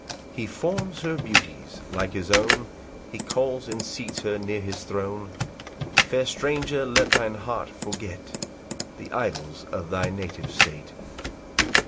3 He forms her beauties like his own; He calls and seats her near his throne: Fair stranger, let thine heart forget The idols of thy native state.